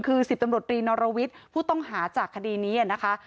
คือ๑๐ตำรวจรีนรวิทย์ผู้ต้องหาจากคดีนี้นะคะ